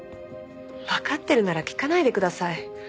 わかってるなら聞かないでください。